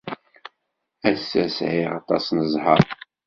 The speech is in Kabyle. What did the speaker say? Ass-a sɛiɣ aṭas n ẓẓher.